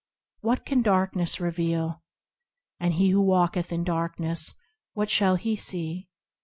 What can darkness reveal ? And he who walketh in darkness, what shall he see